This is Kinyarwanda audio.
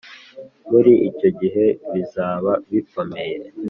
muri icyo gihe bizaba bikomeye